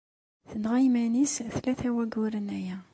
Tenɣa iman-is tlata n wayyuren aya.